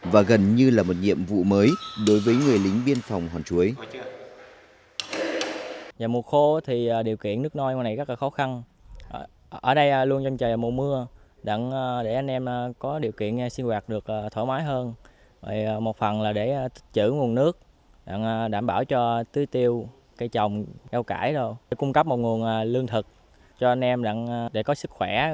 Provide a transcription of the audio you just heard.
và gần như là một nhiệm vụ mới đối với người lính biên phòng hòn chuối